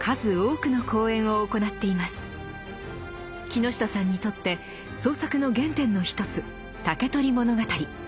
木ノ下さんにとって創作の原点の一つ「竹取物語」。